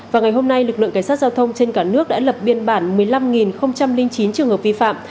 và ngày hôm nay lực lượng cảnh sát giao thông trên cả nước đã lập biên bản một mươi năm chín trường hợp vi phạm